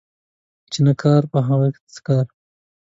چي نه کار ، په هغه دي څه کار